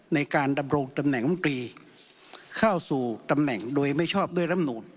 ในการดำรงตำแหน่งรัฐมนตรีเข้าสู่ตำแหน่งโดยไม่ชอบด้วยรำนูน